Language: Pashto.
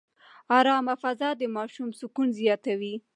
ارامه فضا د ماشوم سکون زیاتوي.